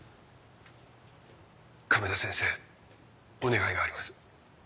亀田先生お願いがあります。